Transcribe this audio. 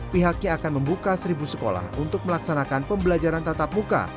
pihaknya akan membuka seribu sekolah untuk melaksanakan pembelajaran tatap muka